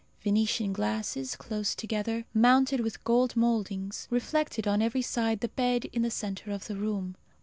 Venetian glasses, close together, mounted with gold mouldings, reflected on every side the bed in the centre of the room.